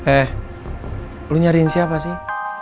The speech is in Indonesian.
eh lo nyariin siapa sih